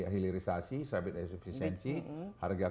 hilirisasi sabit asefisienci harga